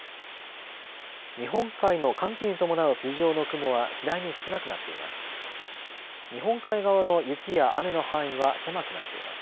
日本海の寒気に伴う筋状の雲は次第に少なくなっています。